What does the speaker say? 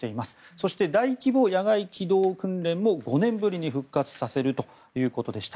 そして、大規模野外機動訓練も５年ぶりに復活させるということでした。